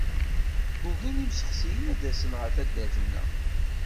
Ugin yimsexsiyen ad d-asen ɣer taddart-nneɣ.